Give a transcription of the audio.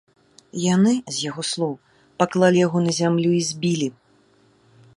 Яны, з яго слоў, паклалі яго на зямлю і збілі.